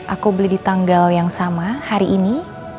aku beli di tanggal yang sama hari ini